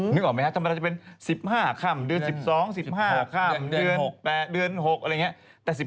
นึกออกมั้ยฮะธรรมดาจะเป็น๑๕ค่ำเดือน๑๒๑๕ค่ำเดือน๖อะไรอย่างเงี้ย